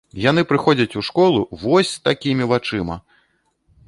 Яны прыходзяць у школу вось с такімі вачыма!